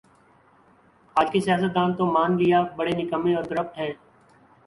آج کے سیاستدان تو مان لیا بڑے نکمّے اورکرپٹ ہیں